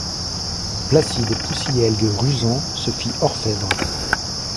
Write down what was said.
Placide Poussielgue-Rusand se fit orfèvre.